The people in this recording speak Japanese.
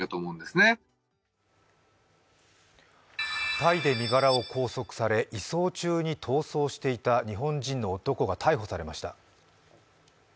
タイで身柄を拘束され移送中に逃走していた日本人の男が逮捕されました。